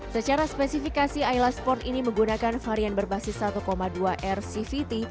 secara spesifikasi ayla sport ini menggunakan varian berbasis satu dua rcvt